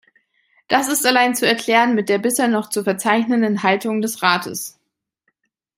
Das ist allein zu erklären mit der bisher noch zu verzeichnenden Haltung des Rates.